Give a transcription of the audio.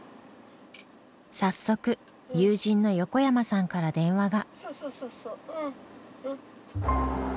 早速友人の横山さんから電話が。